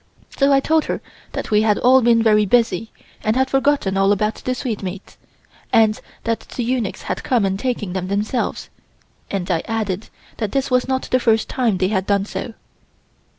So I told her that we had all been very busy and had forgotten all about the sweetmeats, and that the eunuchs had come and taken them themselves, and I added that this was not the first time they had done so.